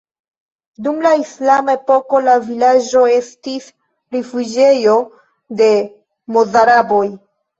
Dum la islama epoko la vilaĝo estis rifuĝejo de mozaraboj.